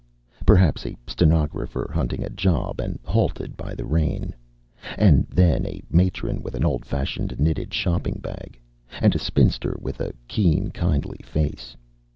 Perhaps a stenographer hunting a job and halted by the rain. And then a matron with an old fashioned knitted shopping bag. And a spinster with a keen, kindly face.